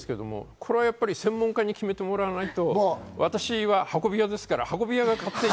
これは専門家に決めてもらわないと、私は運び屋ですから運び屋が勝手に。